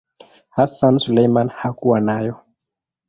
Hassan Suleiman hakuwa nayo.